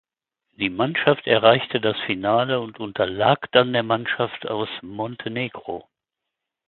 Die Mannschaft erreichte das Finale und unterlag dann der Mannschaft aus Montenegro.